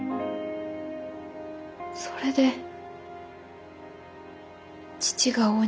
それで父が恩人。